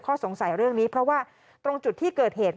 สงสัยเรื่องนี้เพราะว่าตรงจุดที่เกิดเหตุ